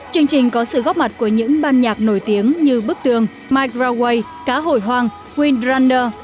chương trình có sự góp mặt của những ban nhạc nổi tiếng như bức tường microway cá hồi hoang windrander